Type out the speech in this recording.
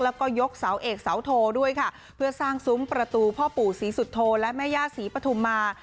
แล้วก็ยกเสาเอกเสาโทด้วยค่ะเพื่อสร้างซุ้มประตูพ่อปู่ศรีสุโธและแม่ย่าศรีปฐุมา